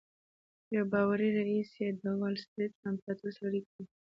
یو باوري ريیس یې د وال سټریټ له امپراتور سره اړیکې لري